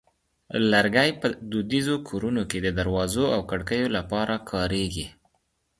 لرګی په دودیزو کورونو کې د دروازو او کړکیو لپاره کارېږي.